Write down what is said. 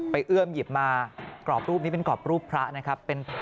เอื้อมหยิบมากรอบรูปนี้เป็นกรอบรูปพระนะครับ